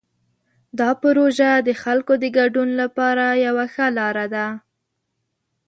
دا پروژه د خلکو د ګډون لپاره یوه ښه لاره ده.